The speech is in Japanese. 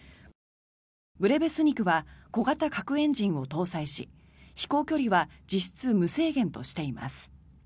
ブレベスニクは小型核エンジンを搭載し飛行距離は実質無制限としています。